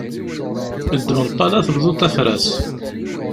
Ddem lpala tebduḍ afras.